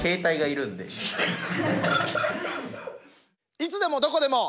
「いつでもどこでも」。